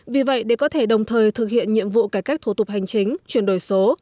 vì vậy để có thể đồng thời thực hiện nhiệm vụ cải cách thủ tục hành chính chuyển đổi số